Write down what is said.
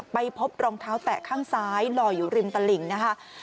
ไปพบรองเท้าแตะข้างซ้ายลอยอยู่ริมตลิ่งนะคะ